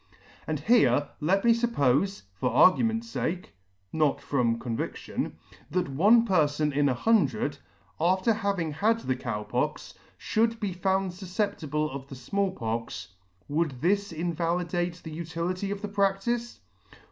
And here let me fuppofe, for argument's fake, (not from con vidion,) that one perfon in an hundred, after having had the Cow Pox, fhould be found fufceptible of the' Small Pox, would this invalidate the utility of the pradice